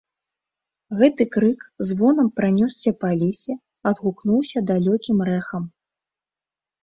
Гэты крык звонам пранёсся па лесе, адгукнуўся далёкім рэхам.